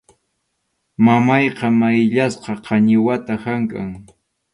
Mamayqa mayllasqa qañiwata hamkʼan.